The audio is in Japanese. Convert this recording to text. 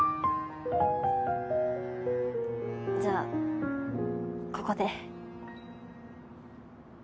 じゃあここで。